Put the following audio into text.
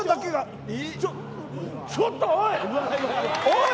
ちょっと、おい。